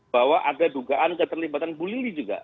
bahwa ada dugaan keterlibatan bu lili juga